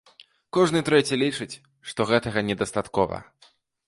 Кожны трэці лічыць, што гэтага недастаткова.